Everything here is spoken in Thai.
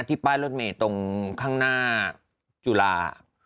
ป้ายรถเมย์ตรงข้างหน้าจุฬา